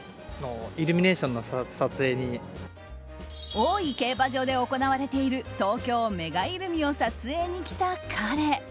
大井競馬場で行われている東京メガイルミを撮影に来た彼。